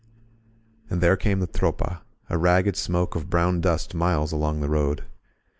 And there came the Tropa, a ragged smoke of brown dust miles along the road.